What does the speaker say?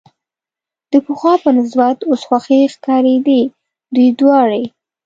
د پخوا په نسبت اوس خوښې ښکارېدې، دوی دواړې.